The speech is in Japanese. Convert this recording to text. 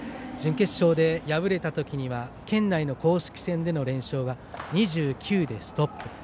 準決勝で敗れたときには県内の公式戦での連勝が２９でストップ。